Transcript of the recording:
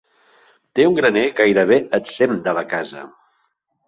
Té un graner gairebé exempt de la casa.